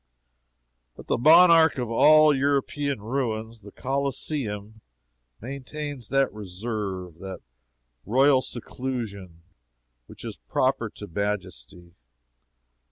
But the monarch of all European ruins, the Coliseum, maintains that reserve and that royal seclusion which is proper to majesty.